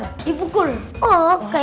karena orang jahat